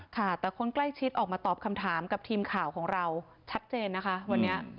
ค่ะแต่คนใกล้ชิดออกมาตอบคำถามกับทีมข่าวของเราชัดเจนนะคะวันนี้